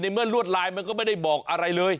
เมื่อลวดลายมันก็ไม่ได้บอกอะไรเลย